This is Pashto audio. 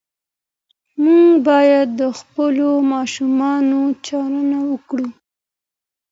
موږ باید د خپلو ماشومانو څارنه وکړو.